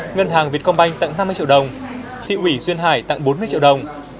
ngân hàng việt công banh tặng năm mươi triệu đồng thị ủy duyên hải tặng bốn mươi triệu đồng